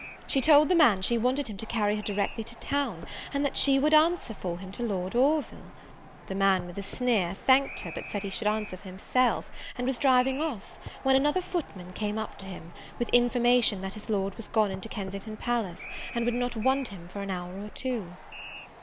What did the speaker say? She told the man she wanted him to carry her directly to town, and that she would answer for him to Lord Orville. The man, with a sneer, thanked her, but said he should answer for himself; and was driving off; when another footman came up to him, with information that his Lord was gone into Kensington Palace, and would not want him for an hour or two.